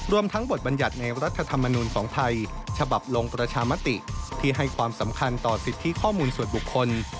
รวมทั้งบทบรรยัติในรัฐธรรมนูลของไทยฉบับลงประชามติที่ให้ความสำคัญต่อสิทธิข้อมูลส่วนบุคคล